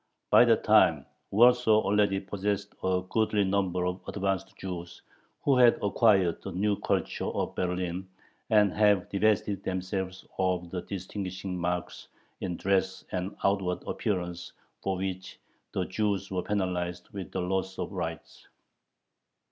By that time Warsaw already possessed a goodly number of "advanced" Jews, who had acquired the new culture of Berlin, and had divested themselves of the distinguishing marks in dress and outward appearance for which the Jews were penalized with the loss of rights.